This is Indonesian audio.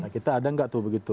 kita ada nggak tuh begitu